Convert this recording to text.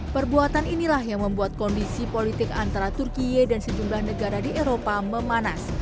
perbuatan inilah yang membuat kondisi politik antara turkiye dan sejumlah negara di eropa memanas